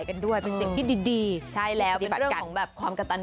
ขอบคุณครับขอบคุณครับขอบคุณครับขอบคุณครับ